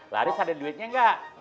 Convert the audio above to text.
laris ada duitnya nggak